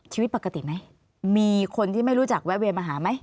ชีวิตปกติไหมมีคนที่ไม่รู้จักแวะเวียนมาหาไหม